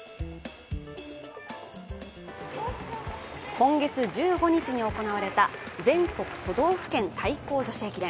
今月１５日に行われた全国都道府県対抗女子駅伝。